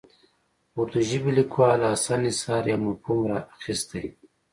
اردو ژبي لیکوال حسن نثار یو مفهوم راخیستی.